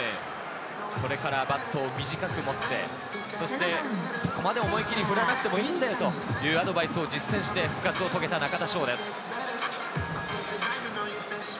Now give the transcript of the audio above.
それからバットを短く持って、そこまで思い切り振らなくてもいいんだよというアドバイスを実践して、復活を遂げた中田翔です。